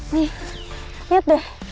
nih liat deh